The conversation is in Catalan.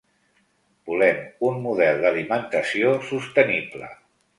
Volem un model d'alimentació sostenible.